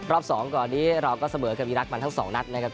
รอบ๒ก่อนนี้เราก็เสมอกับอีรักษ์มันทั้งสองนัดนะครับ